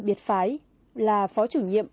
biệt phái là phó chủ nhiệm